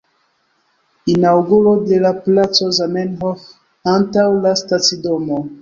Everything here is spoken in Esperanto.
Inaŭguro de la placo Zamenhof antaŭ la stacidomo.